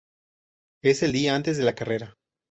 Es el día antes de la carrera.